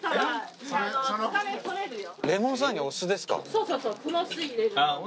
そうそうそう黒酢入れるの。